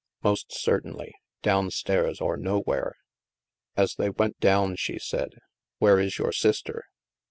'* Most certainly. Down stairs, or nowhere." As they went down she said :*' Where is your sister?"